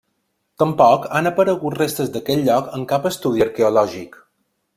Tampoc han aparegut restes d'aquest lloc en cap estudi arqueològic.